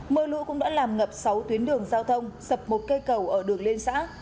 mưa lũ cũng đã làm ngập sáu tuyến đường giao thông sập một cây cầu ở đường liên xã